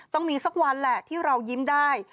ต้องมีสักวันแหละที่เรายิ้มได้